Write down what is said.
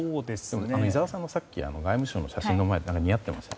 井澤さんがさっき外務省の前での写真、似合ってました。